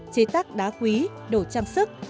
chế tác đá quý đồ trang sức